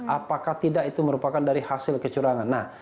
apakah tidak itu merupakan dari hasil kecurangan